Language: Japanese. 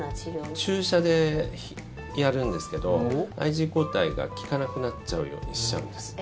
注射でやるんですけどＩｇＥ抗体が効かなくなっちゃうようにしちゃうんです。